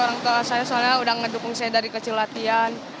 orang tua saya soalnya udah ngedukung saya dari kecil latihan